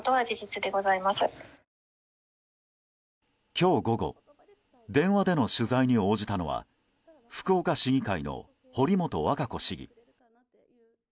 今日午後電話での取材に応じたのは福岡市議会の堀本和歌子市議。